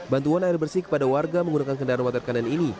bantuan air bersih kepada warga menggunakan kendaraan water canen ini